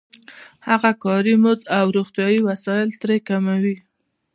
هغه کاري مزد او روغتیايي وسایل ترې کموي